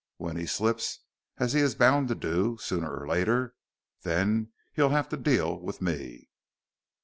When he slips, as he is bound to do, sooner or later, then he'll have to deal with me.